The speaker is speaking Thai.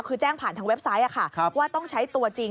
คือแจ้งผ่านทางเว็บไซต์ว่าต้องใช้ตัวจริง